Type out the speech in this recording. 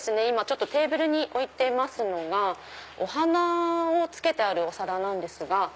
今テーブルに置いてますのがお花を付けてあるお皿なんですが。